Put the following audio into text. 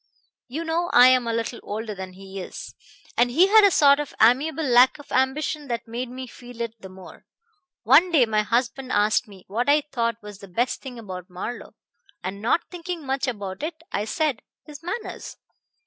You know I am a little older than he is, and he had a sort of amiable lack of ambition that made me feel it the more. One day my husband asked me what I thought was the best thing about Marlowe, and not thinking much about it I said, 'His manners.'